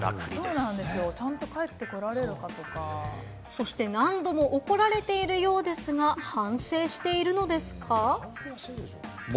そして何度も怒られているようですが、反省しているのですか？